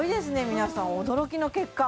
皆さん驚きの結果